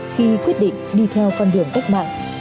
khi quyết định đi theo con đường cách mạng